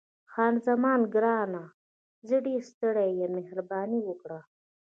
خان زمان: ګرانه، زه ډېره ستړې یم، مهرباني وکړه.